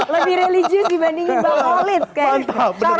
lebih religius dibandingin bang walid